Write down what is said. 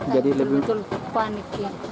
jadi lebih panik